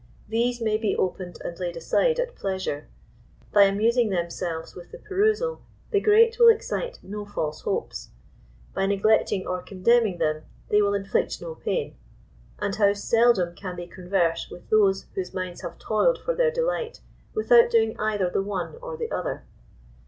These may be opened and laid aside at pleasure; by amusing themselves with the perusal, the great will excite no false hopes; by neglecting or condemning them, they will inflict no pain; and how seldom can they converse with those whose minds have toiled for their delight without doing either the one or the other.